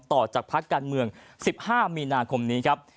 ต่อจากพักการเมือง๑๕มีนาคมนี้ครับ